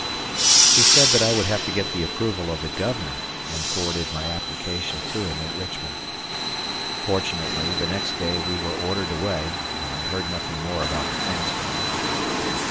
He said that I would have to get the approval of the Governor and forwarded my application to him at Richmond. Fortunately the next day we were ordered away, and I heard nothing more about the transfer.